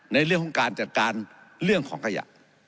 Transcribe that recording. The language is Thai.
ในเรื่องของการจัดการเรื่องของขยะ